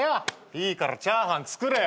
いいからチャーハン作れよ。